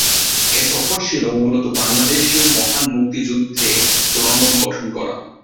এ সফর ছিল মূলতঃ বাংলাদেশের মহান মুক্তিযুদ্ধে জনমত গঠন করা।